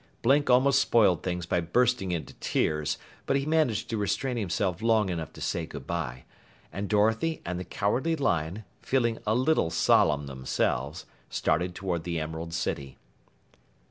Blink almost spoiled things by bursting into tears, but he managed to restrain himself long enough to say goodbye, and Dorothy and the Cowardly Lion, feeling a little solemn themselves, started toward the Emerald City.